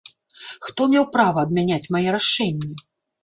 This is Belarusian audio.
Хто меў права адмяняць мае рашэнні?